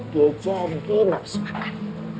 dia jadi nafsu makan